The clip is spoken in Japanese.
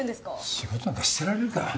仕事なんかしてられるか。